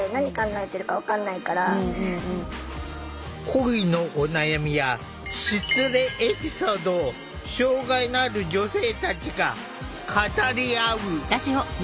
恋のお悩みや失恋エピソードを障害のある女性たちが語り合う。